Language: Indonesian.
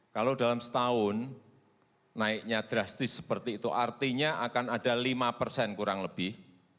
kalau dalam setahun naiknya drastis seperti itu artinya akan ada lima persen kurang lebih